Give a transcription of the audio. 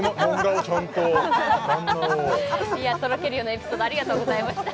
ちゃんと旦那をとろけるようなエピソードありがとうございました